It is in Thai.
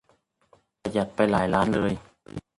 ประหยัดไปหลายล้านเลย